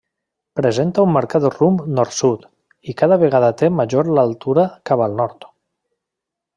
Presenta un marcat rumb nord-sud, i cada vegada té major l'altura cap al nord.